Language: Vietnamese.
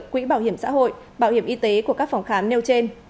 quỹ bảo hiểm xã hội bảo hiểm y tế của các phòng khám nêu trên